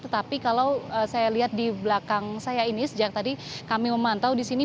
tetapi kalau saya lihat di belakang saya ini sejak tadi kami memantau di sini